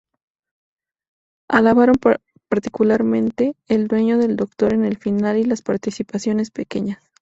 Alabaron particularmente el duelo del Doctor en el final y las participaciones pequeñas.